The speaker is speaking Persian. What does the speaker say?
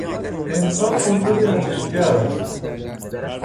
انسان موجودی اندیشگر است.